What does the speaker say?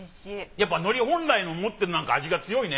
やっぱ海苔本来の持ってる味が強いね。